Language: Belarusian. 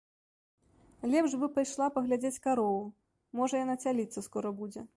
Лепш бы пайшла паглядзець карову, можа яна цяліцца скора будзе.